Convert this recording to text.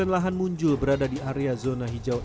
lahan munjul berada di area zona hijau